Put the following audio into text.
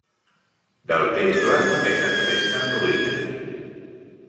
Del temple només en resten ruïnes.